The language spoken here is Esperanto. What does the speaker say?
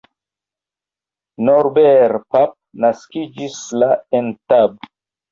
Norbert Pap naskiĝis la en Tab.